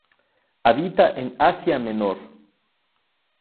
Habita en Asia menor.